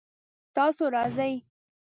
تاسو راځئ؟